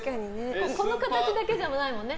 この形だけじゃないもんね。